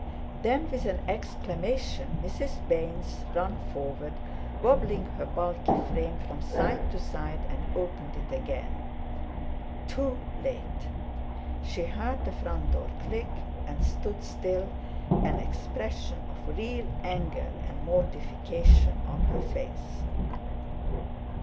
Then with an exclamation Mrs. Baynes ran forward, wobbling her bulky frame from side to side, and opened it again. Too late! She heard the front door click, and stood still, an expression of real anger and mortification on her face.